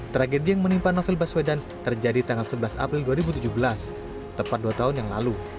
tragedi yang menimpa novel baswedan terjadi tanggal sebelas april dua ribu tujuh belas tepat dua tahun yang lalu